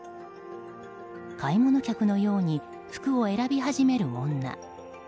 買い物客のように服を選び始める女。